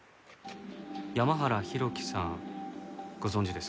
山原浩喜さんご存じですか？